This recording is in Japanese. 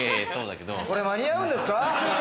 これ間に合うんですか？